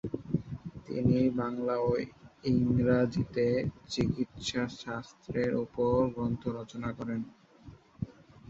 তিনি বাংলা ও ইংরাজীতে চিকিৎসাশাস্ত্রের উপর গ্রন্থ রচনা করেন।